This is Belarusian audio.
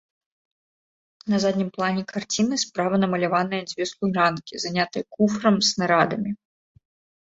На заднім плане карціны справа намаляваныя дзве служанкі, занятыя куфрам з нарадамі.